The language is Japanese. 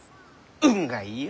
運がいいよ！